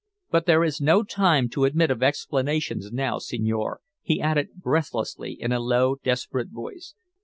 But there is no time to admit of explanations now, signore," he added breathlessly, in a low desperate voice.